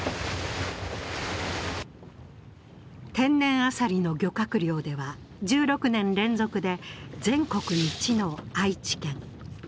天然アサリの漁獲量では１６年連続で全国一の愛知県。